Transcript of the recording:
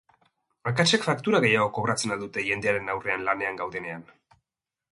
Akatsek faktura gehiago kobratzen al dute jendearen aurrean lanean gaudenean?